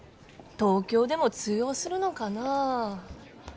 東京でも通用するのかなあ。